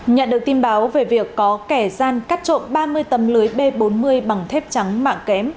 nhận được tin báo về việc có kẻ gian cắt trộm ba mươi tấm lưới b bốn mươi bằng thép trắng mạng kém